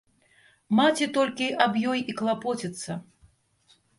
Маці толькі аб ёй і клапоціцца.